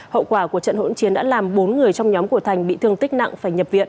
hậu quả của trận hỗn chiến đã làm bốn người trong nhóm của thành bị thương tích nặng phải nhập viện